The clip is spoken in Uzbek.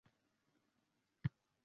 Ra`no opa, meni kechiring